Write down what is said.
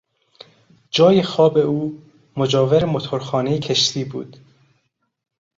جای خواب او مجاور موتورخانهی کشتی بود.